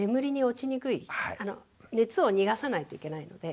熱を逃がさないといけないので。